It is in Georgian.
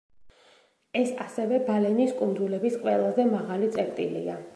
ეს ასევე ბალენის კუნძულების ყველაზე მაღალი წერტილია.